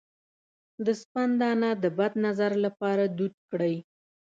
د سپند دانه د بد نظر لپاره دود کړئ